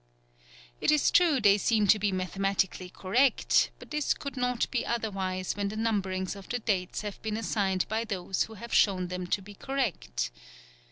It is true they seem to be mathematically correct, but this could not be otherwise when the numberings of the dates have been assigned by those who have shown them to be correct.